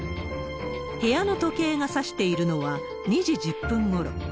部屋の時計が差しているのは２時１０分ごろ。